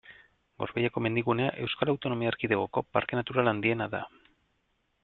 Gorbeiako mendigunea Euskal Autonomia Erkidegoko parke natural handiena da.